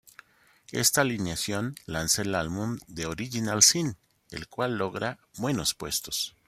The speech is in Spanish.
Esta alineación lanza el álbum "The Original Sin", el cual logra buenos puestos.